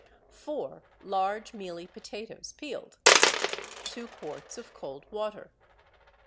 Four large mealy potatoes, peeled. Two quarts of cold water.